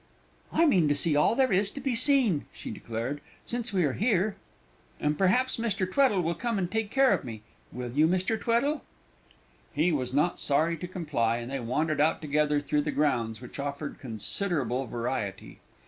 "I mean to see all there is to be seen," she declared, "since we are here; and perhaps Mr. Tweddle will come and take care of me. Will you, Mr. Tweddle?" He was not sorry to comply, and they wandered out together through the grounds, which offered considerable variety.